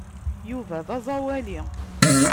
Yuba d aẓawali.